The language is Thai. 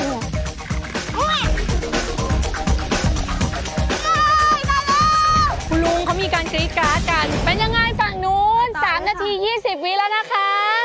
ได้ได้แล้วคุณลุงเขามีการเกรียร์การการเป็นยังไงฝั่งนู้นสามนาทียี่สิบวินแล้วนะคะ